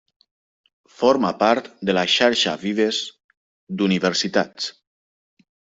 Forma part de la Xarxa Vives d'Universitats.